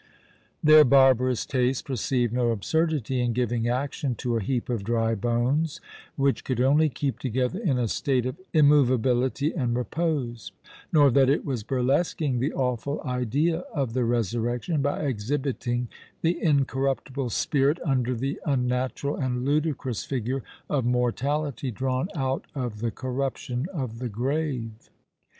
Their barbarous taste perceived no absurdity in giving action to a heap of dry bones, which could only keep together in a state of immovability and repose; nor that it was burlesquing the awful idea of the resurrection, by exhibiting the incorruptible spirit under the unnatural and ludicrous figure of mortality drawn out of the corruption of the grave.